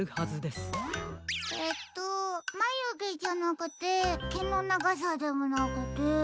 えっとまゆげじゃなくてけのながさでもなくて。